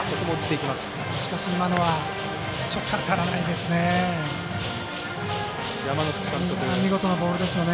今のはちょっと当たらないですね。